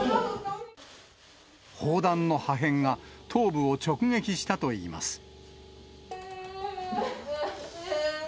砲弾の破片が頭部を直撃したといいます。